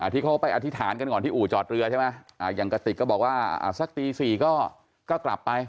ที่เขาไปอธิษฐานกันก่อนที่อู่จอดเรือใช่ไหมอย่างกระติกก็บอกว่าสักตี๔ก็กลับไป